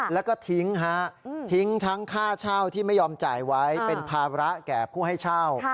แล้วก็ทิ้งฮะทิ้งทั้งค่าเช่าที่ไม่ยอมจ่ายไว้เป็นภาระแก่ผู้ให้เช่า